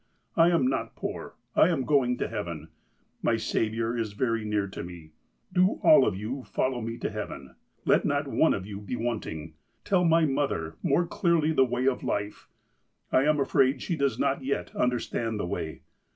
I am not poor. I am going to heaven. My Saviour is very near to me. Do all of you follow me to heaven. Let not one of you be wanting. Tell my mother more clearly the way of life. I am afraid she does not yet understand the way.